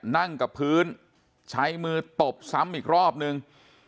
นั่งกับพื้นใช้มือตบซ้ำอีกรอบนึง